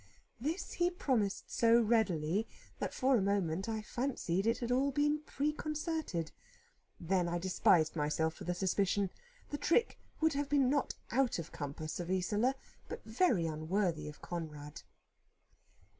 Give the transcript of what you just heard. This he promised so readily, that, for a moment, I fancied it had all been preconcerted. Then I despised myself for the suspicion. The trick would have been not out of the compass of Isola, but very unworthy of Conrad.